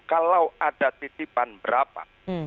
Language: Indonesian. kalau ada titipan berapa